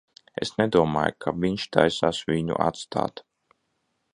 Es nedomāju, ka viņš taisās viņu atstāt.